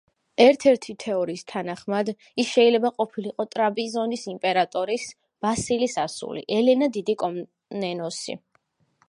ერთ-ერთი თეორიის თანახმად, ის შეიძლება ყოფილიყო ტრაპიზონის იმპერატორის, ბასილის ასული, ელენა დიდი კომნენოსი.